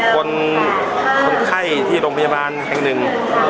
คนคนไข้ที่โรงพยาบาลแห่งหนึ่ง